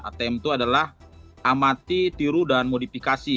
atm itu adalah amati tiru dan modifikasi